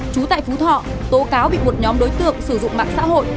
chú tại phú thọ tố cáo bị một nhóm đối tượng sử dụng mạng xã hội